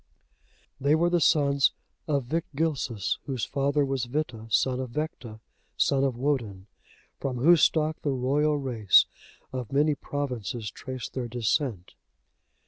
They were the sons of Victgilsus, whose father was Vitta, son of Vecta, son of Woden; from whose stock the royal race of many provinces trace their descent.